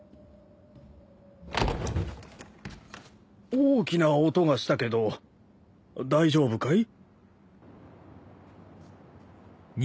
大きな音がしたけど大丈夫かい？